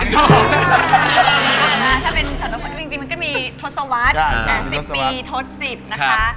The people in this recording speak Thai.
ถ้าเป็นสรรพคุณจริงมันก็มีทศวรรษ๑๐ปีทศ๑๐นะคะ